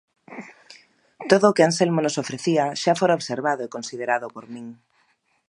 Todo o que Anselmo nos ofrecía xa fora observado e considerado por min.